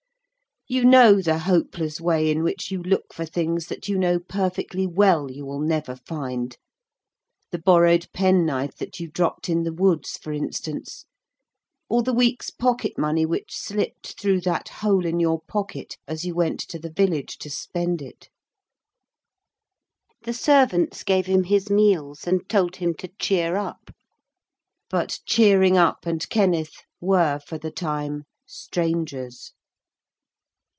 You know the hopeless way in which you look for things that you know perfectly well you will never find, the borrowed penknife that you dropped in the woods, for instance, or the week's pocket money which slipped through that hole in your pocket as you went to the village to spend it. The servants gave him his meals and told him to cheer up. But cheering up and Kenneth were, for the time, strangers.